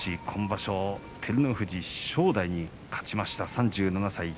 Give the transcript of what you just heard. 今場所、照ノ富士、正代に勝ちました３７歳。